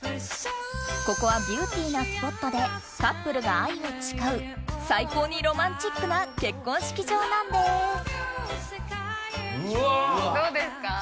ここはビューティーなスポットでカップルが愛を誓う最高にロマンチックな結婚式場なんですどうですか？